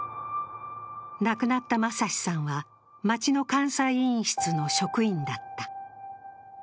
亡くなった正志さんは町の監査委員室の職員だった。